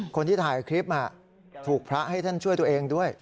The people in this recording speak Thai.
คนที่ถ่ายคลิปถูกพระให้ท่านช่วยตัวเองด้วย